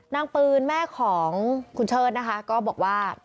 ปืนแม่ของคุณเชิดนะคะก็บอกว่า